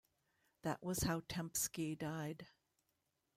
That was how Tempsky died.